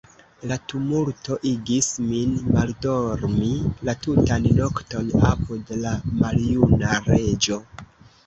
La tumulto igis min maldormi la tutan nokton apud la maljuna Reĝo.